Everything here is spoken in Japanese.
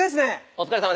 お疲れさま。